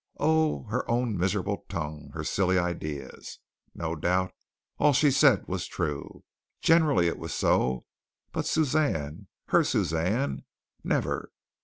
Oh, her own miserable tongue! Her silly ideas! No doubt all she said was true. Generally it was so. But Suzanne! Her Suzanne, never!